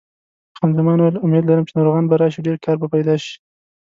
خان زمان وویل: امید لرم چې ناروغان به راشي، ډېر کار به پیدا شي.